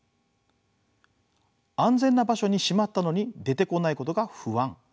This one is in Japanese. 安全な場所にしまったのに出てこないことが不安。